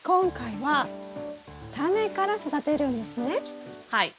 はい。